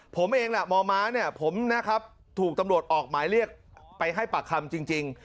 ผมเองแหละมมเนี่ยผมนะครับถูกตำรวจออกหมายเรียกไปให้ปากคำจริง